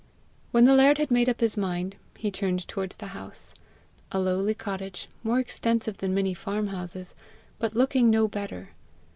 When the laird had made up his mind, he turned towards the house a lowly cottage, more extensive than many farmhouses, but looking no better.